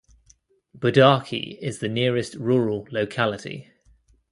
Budarki is the nearest rural locality.